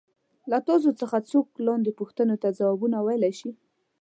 له تاسو څخه څوک لاندې پوښتنو ته ځوابونه ویلای شي.